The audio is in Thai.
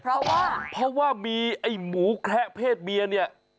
เพราะว่าเพราะว่ามีไอ้หมูแคระเพศเมียเนี่ย